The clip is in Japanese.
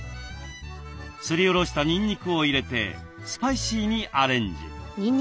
すりおろしたにんにくを入れてスパイシーにアレンジ。